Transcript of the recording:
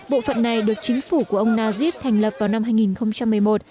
bộ phận này được chính phủ của ông najib thành lập vào năm hai nghìn một mươi một